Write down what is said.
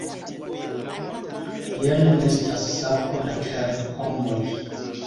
Jen estas sako da terpomoj.